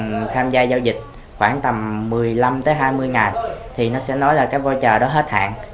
nếu khách hàng tham gia giao dịch khoảng tầm một mươi năm hai mươi ngày thì nó sẽ nói là cái voucher đó hết hạn